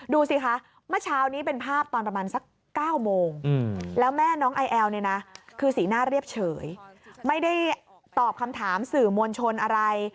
ดูสิคะเมื่อเช้านี้เป็นภาพตอนประมาณสัก๙โมงแล้วแม่น้องไอแอลเนี่ยนะคือสีหน้าเรียบเฉยไม่ได้ตอบคำถามสื่อมวลชนอะไร